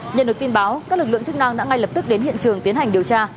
nhận được tin báo các lực lượng chức năng đã ngay lập tức đến hiện trường tiến hành điều tra